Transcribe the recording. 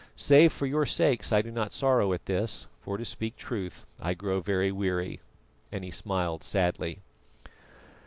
Save for your sakes I do not sorrow at this, for to speak truth I grow very weary," and he smiled sadly.